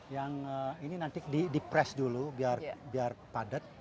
yang ini nanti di press dulu biar padat